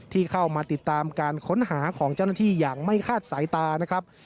ที่เข้ามาติดตามการค้นหาของเจ้าหน้าที่อย่างไม่คาดสายตานะครับ